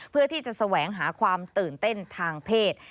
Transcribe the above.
เพื่อที่จะแสวงหาความตื่นเต้นทางเพศ